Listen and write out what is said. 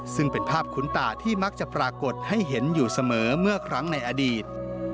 ซึ่งเป็นภาพคุ้นตาที่มักจะปรากฏให้เห็นอยู่เสมอเมื่อครั้งในอดีต